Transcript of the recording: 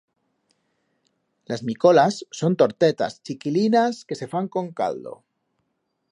Las micolas son tortetas chiquilinas que se fan con caldo.